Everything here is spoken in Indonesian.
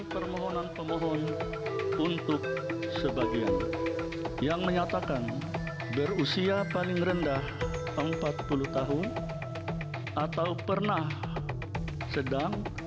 permohonan pemohon untuk sebagian yang menyatakan berusia paling rendah empat puluh tahun atau pernah sedang